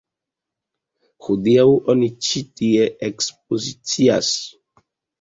Hodiaŭ oni ĉi tie ekspozicias.